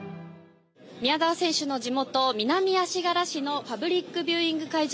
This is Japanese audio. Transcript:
宮澤選手の地元南足柄市のパブリックビューイング会場